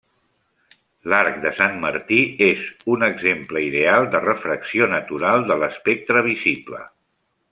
L'arc de Sant Martí és un exemple ideal de refracció natural de l'espectre visible.